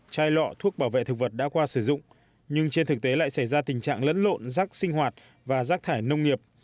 chai lọ thuốc bảo vệ thực vật đã qua sử dụng nhưng trên thực tế lại xảy ra tình trạng lẫn lộn rác sinh hoạt và rác thải nông nghiệp